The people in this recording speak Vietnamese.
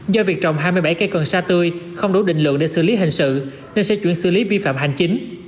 do việc trồng hai mươi bảy cây cần sa tươi không đủ định lượng để xử lý hình sự nên sẽ chuyển xử lý vi phạm hành chính